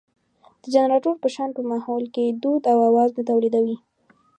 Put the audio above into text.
د جنراتور په شان په ماحول کې دود او اواز نه تولېدوي.